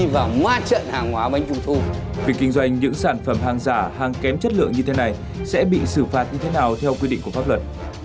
việc kinh doanh những sản phẩm hàng giả hàng kém chất lượng như thế này sẽ bị xử phạt như thế nào theo quy định của pháp luật